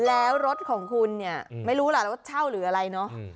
แล้วรถของคุณเนี่ยไม่รู้ล่ะแล้วรถเช่าหรืออะไรเนาะ